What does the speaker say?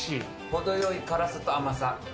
程よい辛さと甘さ。